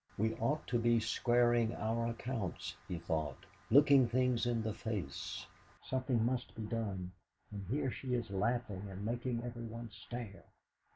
'.e ought to be squaring our accounts,' he thought 'looking things in the face. Something must be done; and here she is laughing and making everyone stare!'